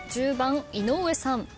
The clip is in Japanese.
１０番井上さん。